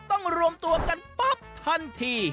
รวมตัวกันปั๊บทันที